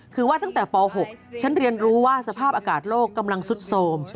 คือว่าตั้งแต่ป๖ฉันเรียนรู้ว่าสภาพอากาศโลกกำลังซุดโสม